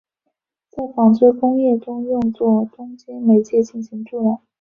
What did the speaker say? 在纺织工业中用作中间媒介进行助染。